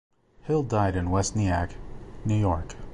Hill died in West Nyack, New York.